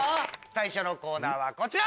最初のコーナーはこちら！